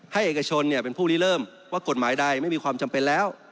เอกชนเป็นผู้รีเริ่มว่ากฎหมายใดไม่มีความจำเป็นแล้ว